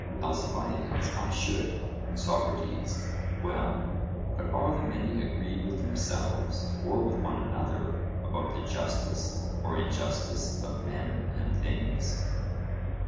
ALCIBIADES: I should. SOCRATES: Well, but are the many agreed with themselves, or with one another, about the justice or injustice of men and things?